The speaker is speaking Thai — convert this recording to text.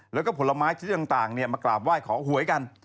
แล้วก็ผลไม้ชิ้นต่างมากราบไหว้ขอหวยกัน